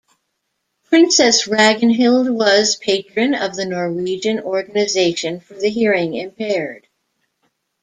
Princess Ragnhild was patron of the Norwegian Organisation for the Hearing Impaired.